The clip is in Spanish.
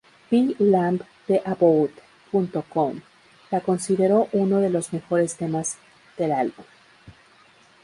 Bill Lamb de About.com la consideró uno de los mejores temas del álbum.